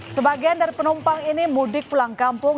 sebagian dari penumpang ini mudik pulang kampung